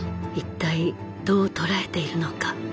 一体どう捉えているのか。